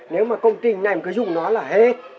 nếu mà công trình này cứ dùng nó là hết